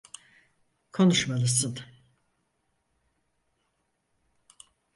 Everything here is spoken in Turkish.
Konuşmalısın…